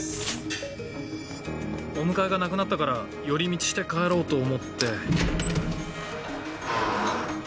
お迎えがなくなったから寄り道して帰ろうと思って。